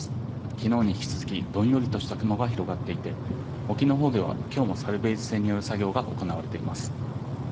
昨日に引き続きどんよりとした雲が広がっていて沖のほうでは今日もサルベージ船による作業が行われています。